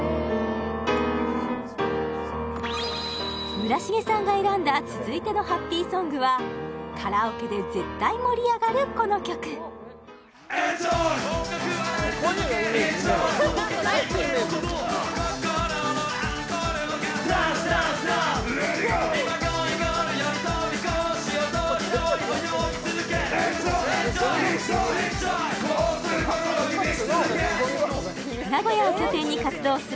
村重さんが選んだ続いてのハッピーソングはカラオケで絶対盛り上がるこの曲名古屋を拠点に活動する